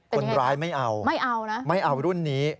คนร้ายไม่เอาไม่เอารุ่นนี้